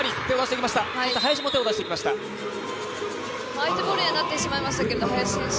相手ボールにはなってしまいましたが、林選手